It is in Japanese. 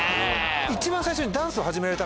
一番最初に。